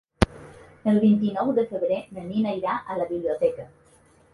El vint-i-nou de febrer na Nina irà a la biblioteca.